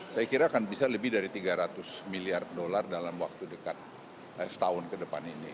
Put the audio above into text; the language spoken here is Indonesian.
saya kira akan bisa lebih dari tiga ratus miliar dolar dalam waktu dekat setahun ke depan ini